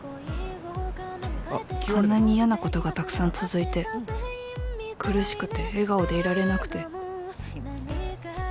あんなに嫌なことがたくさん続いて苦しくて笑顔でいられなくて。